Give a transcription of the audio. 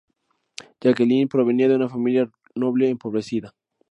Jacqueline provenía de una familia noble empobrecida.